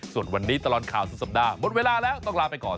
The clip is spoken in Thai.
ส่วนวันนี้ตลอดข่าวสุดสัปดาห์หมดเวลาแล้วต้องลาไปก่อน